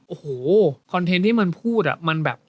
โอ้โหคอนเทนต์ที่มันพูดมันแบบ